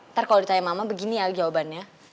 ntar kalau ditanya mama begini ya jawabannya